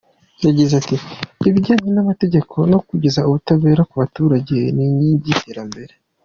Yagize ati “Ibijyanye n’amategeko no kugeza ubutabera ku baturage ni inkingi y’iterambere.